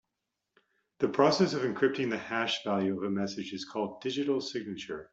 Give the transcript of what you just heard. The process of encrypting the hash value of a message is called digital signature.